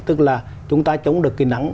tức là chúng ta chống được cái nắng